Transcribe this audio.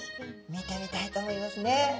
見てみたいと思いますね。